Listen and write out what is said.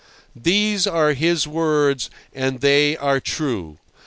These are his words, and they are true.